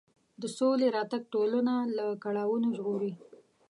د سولې راتګ ټولنه له کړاوونو ژغوري.